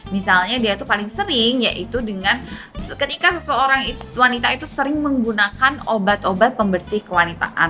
misalnya dia itu paling sering yaitu dengan ketika seseorang wanita itu sering menggunakan obat obat pembersih kewanipaan